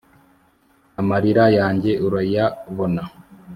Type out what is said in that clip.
amarira yange urayabona